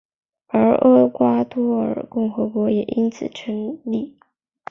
而厄瓜多尔共和国也因此成立。